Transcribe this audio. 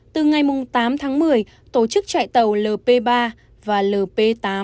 từ ngày tám tháng một mươi tổ chức chạy tàu lp ba và lp tám